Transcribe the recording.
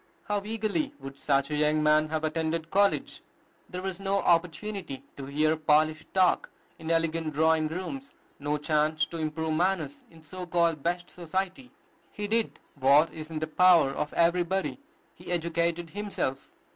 How eagerly would such a young man have attended college! There was no opportunity to hear polished talk in elegant drawing rooms, no chance to improve manners in so called "best society." He did what is in the power of everybody, he educated himself.